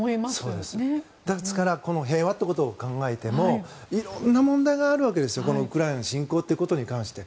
ですからこの平和ということを考えても色んな問題があるわけですよウクライナの侵攻ということに関して。